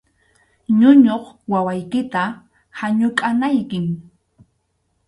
Ñuñuq wawaykita hanukʼanaykim.